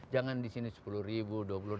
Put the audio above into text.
jangan di sini sepuluh ribu dua puluh enam